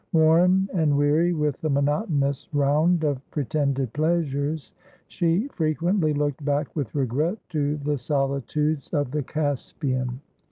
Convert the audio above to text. Worn and weary with the monotonous round of pretended pleasures, she frequently looked back with regret to the solitudes of the Caspian.